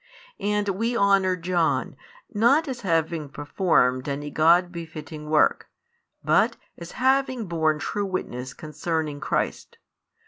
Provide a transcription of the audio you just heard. And we honour John, not as having performed any God befitting work, but as having borne true witness concerning Christ.